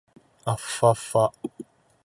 あふぁふぁ